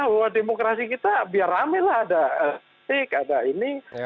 bahwa demokrasi kita biar rame lah ada etik ada ini